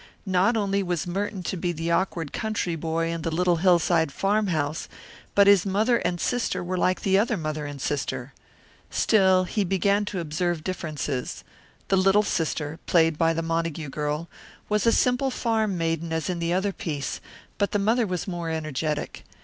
Not only was Merton to be the awkward country boy in the little hillside farmhouse, but his mother and sister were like the other mother and sister. Still, he began to observe differences. The little sister played by the Montague girl was a simple farm maiden as in the other piece, but the mother was more energetic.